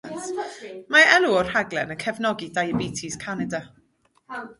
Mae elw o'r rhaglen yn cefnogi Diabetes Canada.